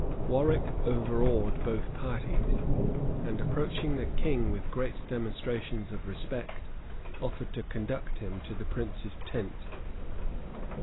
[*] Warwick overawed both parties, and approaching the king with great demonstrations of respect, offered to conduct him to the prince's tent.